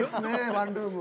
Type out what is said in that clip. ワンルーム。